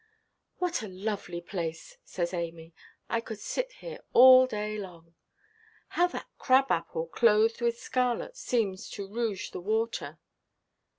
"What a lovely place!" says Amy; "I could sit here all day long. How that crab–apple, clothed with scarlet, seems to rouge the water!"